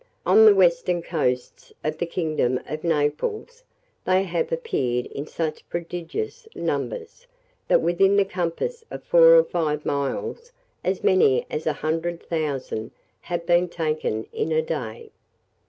On the western coasts of the kingdom of Naples, they have appeared in such prodigious numbers, that, within the compass of four or five miles, as many as a hundred thousand have been taken in a day.